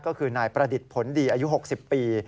ก็คือนายประดิษฐ์ผลดีอายุ๖๐ปี